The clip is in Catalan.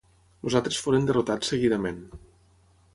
Els altres foren derrotats seguidament.